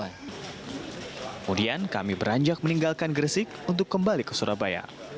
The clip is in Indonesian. kemudian kami beranjak meninggalkan gresik untuk kembali ke surabaya